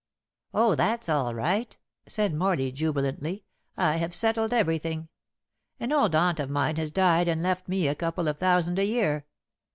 "Oh, that's all right," said Morley, jubilantly. "I have settled everything. An old aunt of mine has died and left me a couple of thousand a year.